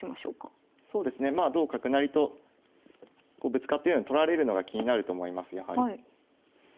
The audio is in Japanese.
そうですねまあ同角成とこうぶつかってるので取られるのが気になると思いますやはり。